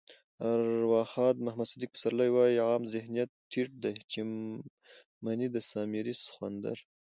ارواښاد محمد صدیق پسرلی وایي: عام ذهنيت ټيټ دی چې مني د سامري سخوندر.